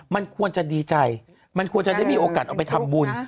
มันควรจะดีใจมันควรจะได้มีโอกาสเอาไปทำบุญ